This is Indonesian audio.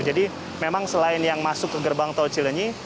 jadi memang selain yang masuk ke gerbang tol cilenyi